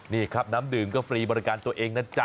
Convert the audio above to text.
นี่ครับน้ำดื่มก็ฟรีบริการตัวเองนะจ๊ะ